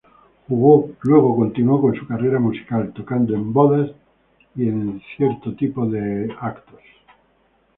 Luego continuó con su carrera musical, tocando en bodas y una variedad de eventos.